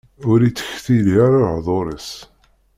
Ur ittektili ara lehḍur-is.